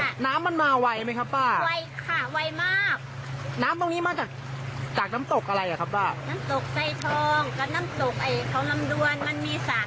ละครับน้ำมันมาวัยไม่ครับปินะไวจะไวมาแนร้์โมงเนี้ยมาตรักตากน้ำตกอะไรครับบ้าง